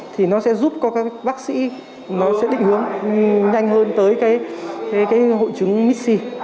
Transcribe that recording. thì nó sẽ giúp các bác sĩ định hướng nhanh hơn tới hội chứng mixi